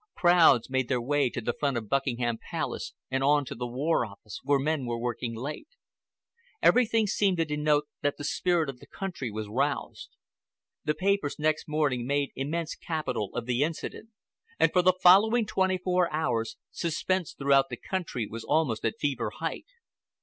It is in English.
Crowds made their way to the front of Buckingham Palace and on to the War Office, where men were working late. Everything seemed to denote that the spirit of the country was roused: The papers next morning made immense capital of the incident, and for the following twenty four hours suspense throughout the country was almost at fever height.